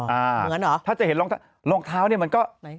อ๋ออ่าเหมือนหรอถ้าจะเห็นรองเท้ารองเท้าเนี่ยมันก็ไหน